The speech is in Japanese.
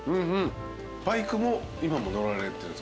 バイクも今も乗られてる？